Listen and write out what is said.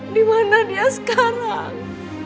dimana dia sekarang